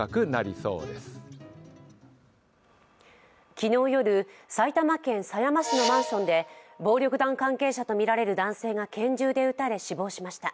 昨日夜、埼玉県狭山市のマンションで暴力団関係者とみられる男性が拳銃で撃たれ死亡しました。